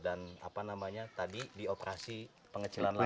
dan apa namanya tadi dioperasi pengecilan lambung